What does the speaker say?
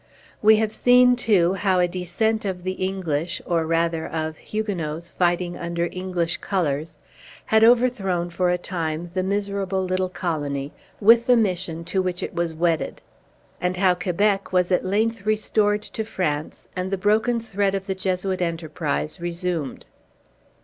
We have seen, too, how a descent of the English, or rather of Huguenots fighting under English colors, had overthrown for a time the miserable little colony, with the mission to which it was wedded; and how Quebec was at length restored to France, and the broken thread of the Jesuit enterprise resumed.